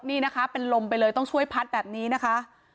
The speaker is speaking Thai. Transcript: นี่นะคะเป็นลมไปเลยต้องช่วยพัดแบบนี้นะคะ